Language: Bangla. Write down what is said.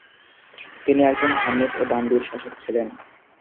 তিনি একজন ধার্মিক ও দানবীর শাসক ছিলেন।